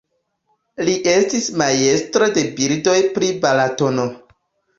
Li estis majstro de bildoj pri Balatono.